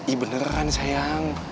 ihh beneran sayang